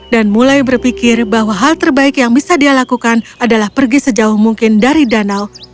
dan mulai berpikir bahwa hal terbaik yang bisa dia lakukan adalah pergi sejauh mungkin dari danau